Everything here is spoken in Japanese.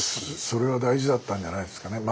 それは大事だったんじゃないですかね。